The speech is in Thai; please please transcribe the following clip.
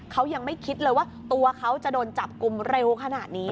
เขายังไม่คิดเลยว่าตัวเขาจะโดนจับกลุ่มเร็วขนาดนี้